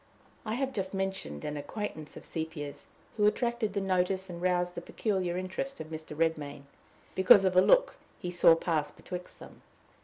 I have just mentioned an acquaintance of Sepia's, who attracted the notice and roused the peculiar interest of Mr. Redmain, because of a look he saw pass betwixt them.